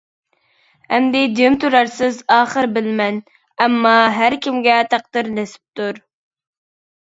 ئەمدى جىم تۇرارسىز ئاخىر بىلىمەن، ئەمما ھەركىمگە تەقدىر نېسىپتۇر.